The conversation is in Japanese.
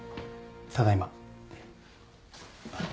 ただいま。